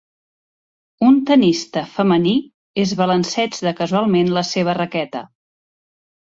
Un tennista femení és balanceig de casualment la seva raqueta.